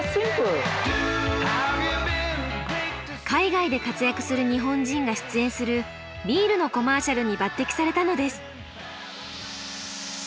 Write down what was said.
海外で活躍する日本人が出演するビールのコマーシャルに抜擢されたのです。